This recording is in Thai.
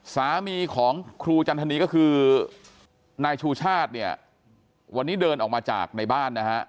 สามีของครูจันทนีก็คือนายชูชาติเนี่ยวันนี้เดินออกมาจากในบ้านนะฮะ